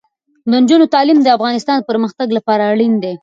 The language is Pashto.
د نجونو تعلیم د افغانستان پرمختګ لپاره اړین دی.